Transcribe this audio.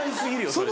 それ。